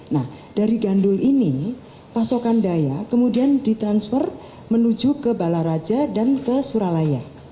nah dari gandul ini pasokan daya kemudian ditransfer menuju ke balaraja dan ke suralaya